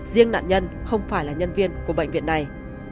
riêng nạn nhân không phải là nhân viên của bệnh viện này